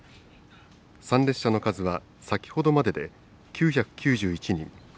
参列者の数は先程までで９９１人。